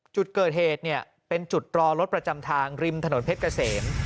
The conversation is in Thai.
จุดเกิดเหตุเนี่ยเป็นจุดรอรถประจำทางริมถนนเพชรเกษม